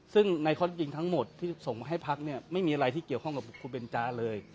ซึ่งในข้อที่จริงทั้งหมดที่ส่งมาให้พักเนี่ยไม่มีอะไรที่เกี่ยวข้องกับคุณเบนจาเลย